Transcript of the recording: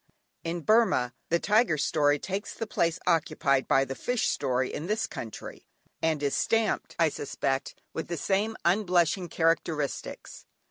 In Burmah the Tiger story takes the place occupied by the fish story in this country, and is stamped, I suspect, with the same unblushing characteristics.